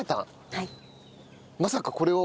はい。